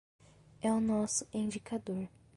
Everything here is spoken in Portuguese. É o nosso indicador